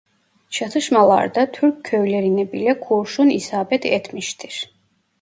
Çatışmalarda Türk köylerine bile kurşun isabet etmiştir.